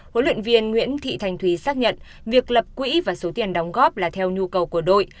huấn luyện viên nguyễn thị thành thùy xác nhận việc lập quỹ và số tiền đóng góp là theo nhu cầu của đội